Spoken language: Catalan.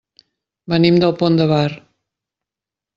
Venim del Pont de Bar.